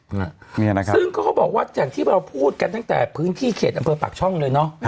ซึ่งเขาบอกว่าอย่างที่เราพูดกันตั้งแต่พื้นที่เขตอำเภอปากช่องเลย